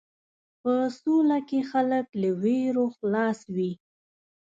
په سوله کې خلک له وېرو خلاص وي.